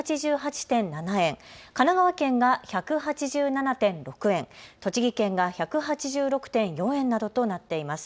群馬県が１８８．７円、神奈川県が１８７．６円、栃木県が１８６．４円などとなっています。